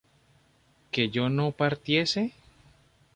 ¿que yo no partiese?